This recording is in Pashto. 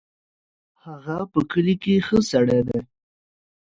هغه ز په کلي کې ښه سړی دی.